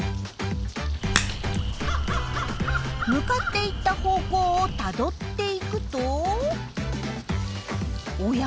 向かっていった方向をたどっていくとおや？